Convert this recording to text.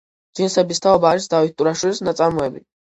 ჯინსების თაობა არის დავით ტურაშვილის ნაწარმოები.